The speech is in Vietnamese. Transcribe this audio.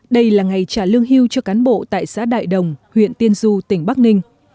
đây là ngày trả lương hưu cho cán bộ tại xã đại đồng huyện tiên du tỉnh bắc ninh